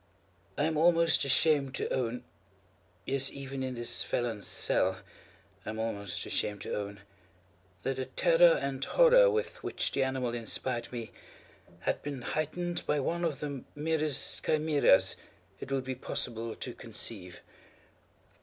I am almost ashamed to own—yes, even in this felon's cell, I am almost ashamed to own—that the terror and horror with which the animal inspired me, had been heightened by one of the merest chimaeras it would be possible to conceive.